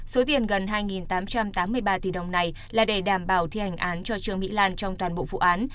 số tiền gần hai tám trăm tám mươi ba tỷ đồng này là để đảm bảo thi hành án cho trương mỹ lan trong toàn bộ vụ án